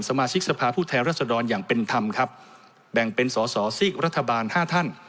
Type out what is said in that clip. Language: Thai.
สมาชิกสภาพผู้แทนรัศดรอย่างเป็นธรรมครับแบ่งเป็นสอสอซีกรัฐบาลห้าท่าน